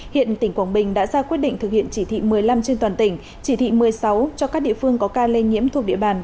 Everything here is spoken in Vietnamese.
hiện tỉnh quảng bình đã ra quyết định thực hiện chỉ thị một mươi năm trên toàn tỉnh chỉ thị một mươi sáu cho các địa phương có ca lây nhiễm thuộc địa bàn